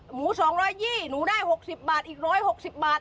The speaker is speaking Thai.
หนู๒๒๐หนูได้๖๐บาทอีก๑๖๐บาท